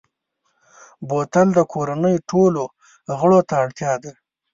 بوتل د کورنۍ ټولو غړو ته اړتیا ده.